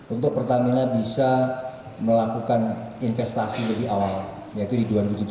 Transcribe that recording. untuk pertamina bisa melakukan investasi lebih awal yaitu di dua ribu tujuh belas